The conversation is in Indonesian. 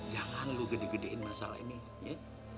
jangan lo gede gedein masalah ini ya